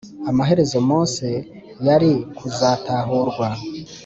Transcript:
amaherezo Mose yari kuzatahurwa